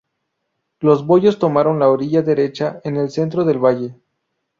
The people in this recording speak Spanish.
Los boyos tomaron la orilla derecha en el centro del valle.